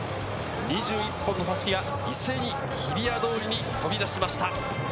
２１本の襷が一斉に日比谷通りに飛び出しました。